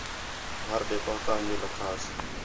گھر ݙے پُہتا ہے لَکھاس